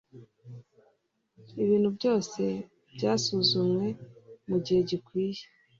Ibintu byose byasuzumwe mu gihe gikwihe